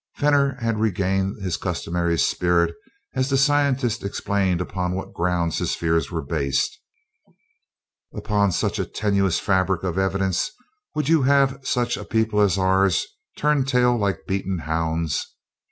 Fenor had regained his customary spirit as the scientist explained upon what grounds his fears were based. "Upon such a tenuous fabric of evidence would you have such a people as ours turn tail like beaten hounds?